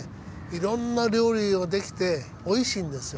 いろんな料理ができておいしいんです。